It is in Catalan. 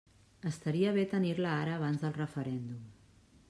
Estaria bé tenir-la ara abans del referèndum.